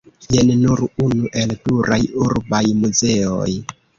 Jen nur unu el pluraj urbaj muzeoj.